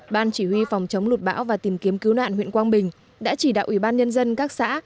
ban chỉ huy phòng chống lụt bão và tìm kiếm cứu nạn huyện quang bình đã chỉ đạo ủy ban nhân dân các xã